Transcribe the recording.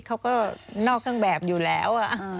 เขาก็นอกข้างแบบอยู่แล้ว